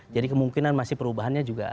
jadi kemungkinan masih perubahannya juga